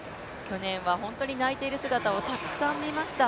去年は本当に泣いている姿をたくさん見ました。